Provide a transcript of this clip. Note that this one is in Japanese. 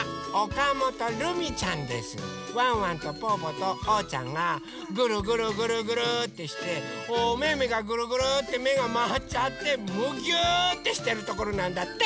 ワンワンとぽぅぽとおうちゃんがぐるぐるぐるぐるってしておめめがぐるぐるってめがまわっちゃってむぎゅってしてるところなんだって。